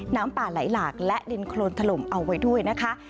น้ำป่าไหลหลากและดินโครนถล่มเอาไว้ด้วยนะคะ